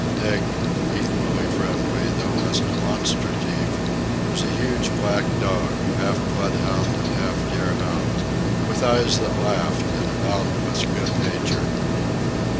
Nig, equally friendly, though less demonstrative, was a huge black dog, half bloodhound and half deerhound, with eyes that laughed and a boundless good nature.